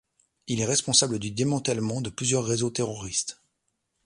Il est responsable du démantèlement de plusieurs réseaux terroristes.